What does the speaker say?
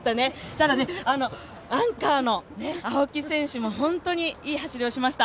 ただ、アンカーの青木選手も本当にいい走りをしました。